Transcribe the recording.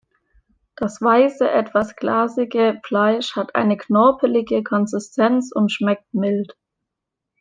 Das weiße, etwas glasige Fleisch hat eine knorpelige Konsistenz und schmeckt mild.